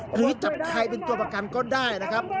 หรือจับใครเป็นตัวประกันก็ได้นะครับ